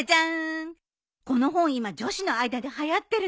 この本今女子の間ではやってるの。